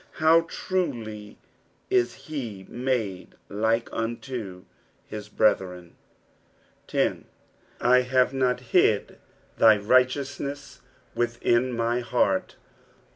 Raw trul; ia he " made like unto his brethren." 10. "/ Aape not hid thy righteoutnas vitMa my heart.'"